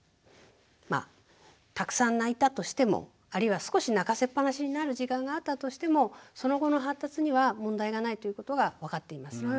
たくさん泣いたとしてもあるいは少し泣かせっぱなしになる時間があったとしてもその後の発達には問題がないということが分かっています。